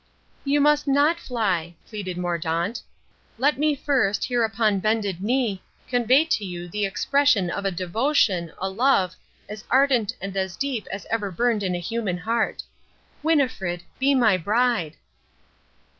"You must not fly," pleaded Mordaunt. "Let me first, here upon bended knee, convey to you the expression of a devotion, a love, as ardent and as deep as ever burned in a human heart. Winnifred, be my bride!"